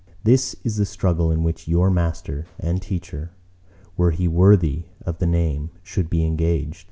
This is the struggle in which your Master and Teacher, were he worthy of the name, should be engaged.